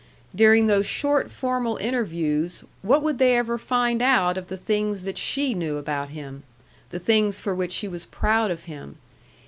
During those short formal interviews, what would they ever find out of the things that she knew about him? The things for which she was proud of him?